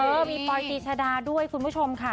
เออมีปอยตีชดาด้วยคุณผู้ชมค่ะ